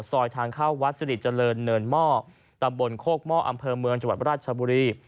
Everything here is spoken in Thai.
ทางเข้าวัดสิริเจริญเนินหม้อตำบลโคกหม้ออำเภอเมืองจังหวัดราชบุรี